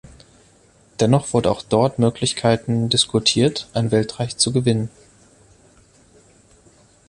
Dennoch wurde auch dort Möglichkeiten diskutiert, ein Weltreich zu gewinnen.